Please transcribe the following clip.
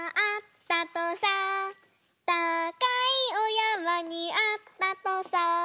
たかいおやまにあったとさ」